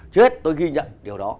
chứ hết tôi ghi nhận điều đó